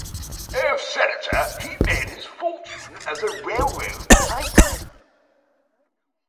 Senator; he made his fortune as a railroad tycoon.